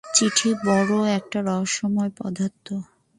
চিঠি বড়ো একটা রহস্যময় পদার্থ।